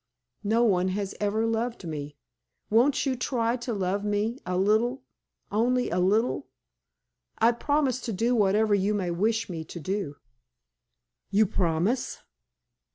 No one has ever loved me. Won't you try to love me a little only a little? I promise to do whatever you may wish me to do." "You promise?"